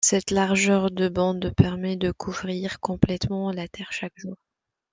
Cette largeur de bande permet de couvrir complètement la Terre chaque jour.